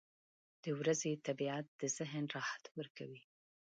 • د ورځې طبیعت د ذهن راحت ورکوي.